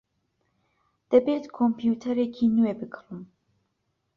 دەبێت کۆمپیوتەرێکی نوێ بکڕم.